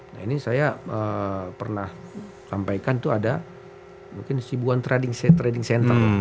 nah ini saya pernah sampaikan itu ada mungkin ribuan trading center